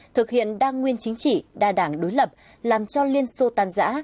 thực hiện đa nguyên chính trị đa đảng đối lập làm cho liên xô tàn giã